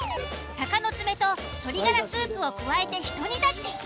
鷹の爪と鶏がらスープを加えてひと煮立ち。